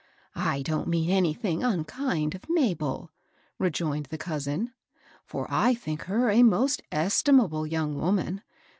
^^ I don't mean auyth^g unkind of Mabel," rer joined the cousin, ^^ for I think her a most estimi^ Ue young woman.